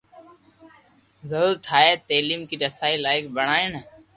ضرورت ناهي. تعليم کي رسائي لائق بڻائڻ